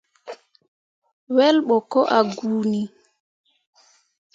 Wel ɓo ko ah guuni.